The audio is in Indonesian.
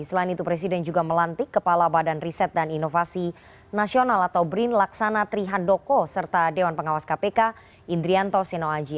selain itu presiden juga melantik kepala badan riset dan inovasi nasional atau brin laksana trihandoko serta dewan pengawas kpk indrianto senoaji